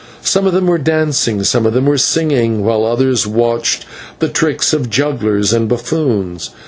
Some of them were dancing, some of them were singing, while others watched the tricks of jugglers and buffoons.